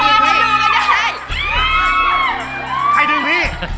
แต่ใครดื่มพี่